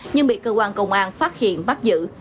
nhưng bị cơ quan công an phát hiện bắt giữ